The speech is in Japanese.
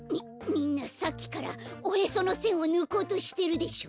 みんなさっきからおへそのせんをぬこうとしてるでしょ！？